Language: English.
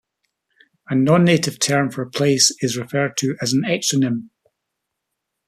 A non-native term for a place is referred to as an exonym.